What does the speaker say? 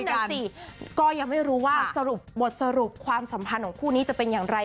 นั่นสิก็ยังไม่รู้ว่าสรุปบทสรุปความสัมพันธ์ของคู่นี้จะเป็นอย่างไร